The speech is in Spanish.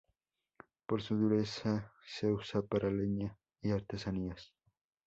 Por su dureza se usa para leña y artesanías.